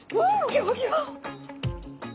ギョギョ！